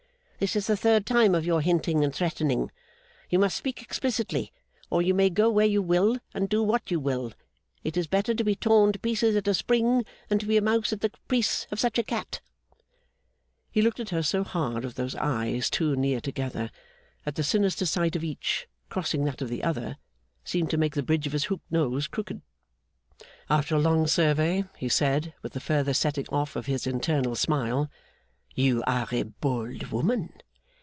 This is the third time of your hinting and threatening. You must speak explicitly, or you may go where you will, and do what you will. It is better to be torn to pieces at a spring, than to be a mouse at the caprice of such a cat.' He looked at her so hard with those eyes too near together that the sinister sight of each, crossing that of the other, seemed to make the bridge of his hooked nose crooked. After a long survey, he said, with the further setting off of his internal smile: 'You are a bold woman!